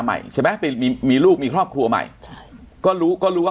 ใหม่ใช่ไหมไปมีมีลูกมีครอบครัวใหม่ใช่ก็รู้ก็รู้ว่า